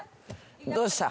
どうした？